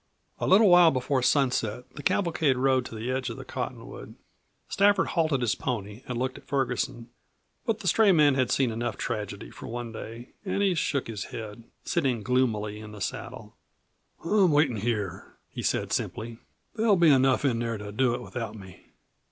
A little while before sunset the cavalcade rode to the edge of the cottonwood. Stafford halted his pony and looked at Ferguson, but the stray man had seen enough tragedy for one day and he shook his head, sitting gloomily in the saddle. "I'm waitin' here," he said simply. "There'll be enough in there to do it without me."